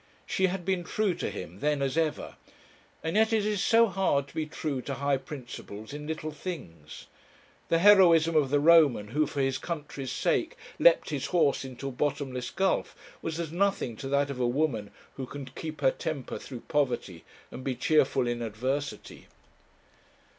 She had been true to him, then as ever. And yet it is so hard to be true to high principles in little things. The heroism of the Roman, who, for his country's sake, leapt his horse into a bottomless gulf, was as nothing to that of a woman who can keep her temper through poverty, and be cheerful in adversity.